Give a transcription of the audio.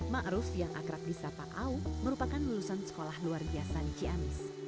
mbak rus yang akrab di sapaau merupakan lulusan sekolah luar biasa di ciamis